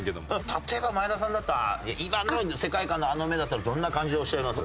例えば前田さんだったら今の世界観の「アノメ」だったらどんな感じでおっしゃいます？